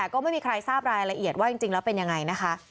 ก็ไม่มีใครทราบรายละเอียดว่าจริงแล้วเป็นยังไงนะคะ